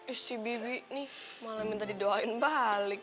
isti bi bi nih malah minta didoain balik